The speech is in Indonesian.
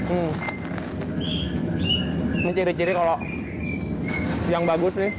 ini ciri ciri kalau yang bagus nih